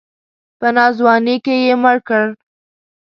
په ناځواني کې یې مړ کړ.